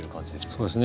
そうですね。